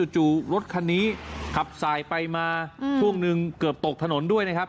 จู่รถคันนี้ขับสายไปมาช่วงหนึ่งเกือบตกถนนด้วยนะครับ